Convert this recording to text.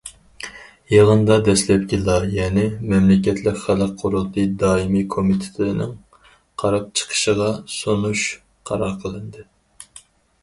يىغىندا دەسلەپكى لايىھەنى مەملىكەتلىك خەلق قۇرۇلتىيى دائىمىي كومىتېتىنىڭ قاراپ چىقىشىغا سۇنۇش قارار قىلىندى.